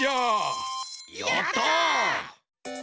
やった！